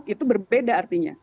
itu berbeda artinya